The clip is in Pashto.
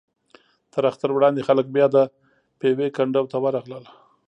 تر اختر وړاندې خلک بیا د پېوې کنډو ته ورغلل.